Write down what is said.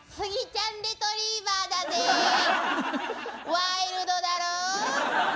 ワイルドだろぉ。